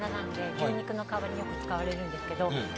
牛肉の代わりによく使われるんですけれども。